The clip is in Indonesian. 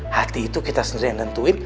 hati itu kita sendiri yang nentuin